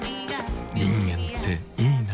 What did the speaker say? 人間っていいナ。